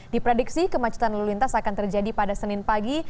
diprediksi kemacetan lalu lintas akan terjadi pada senin pagi